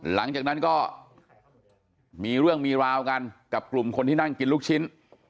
หลังจากนั้นก็มีเรื่องมีราวกันกับกลุ่มคนที่นั่งกินลูกชิ้น